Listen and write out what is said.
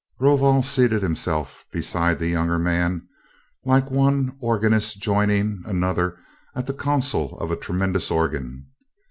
Rovol seated himself beside the younger man, like one organist joining another at the console of a tremendous organ.